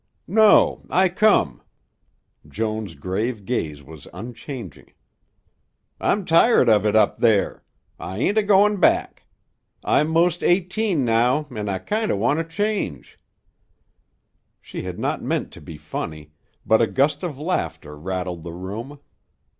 "No. I come." Joan's grave gaze was unchanging. "I'm tired of it up there. I ain't a goin' back. I'm most eighteen now an' I kinder want a change." She had not meant to be funny, but a gust of laughter rattled the room.